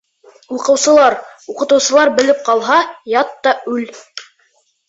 Уҡыусылар, уҡытыусылар белеп ҡалһа, ят та үл.